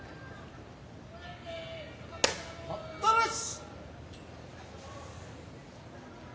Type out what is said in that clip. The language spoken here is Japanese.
待ったなし。